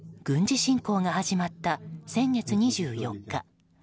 軍事侵攻が始まった先月２４日。